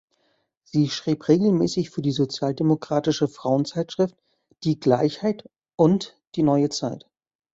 Sie schrieb regelmäßig für die sozialdemokratische Frauenzeitschrift "Die Gleichheit" und Die Neue Zeit.